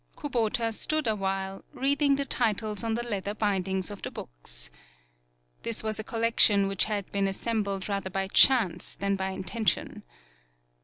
Kubota stood a while reading the 47 PAULOWNIA titles on the leather bindings of the books. This was a collection which had been assembled rather by chance than by intention.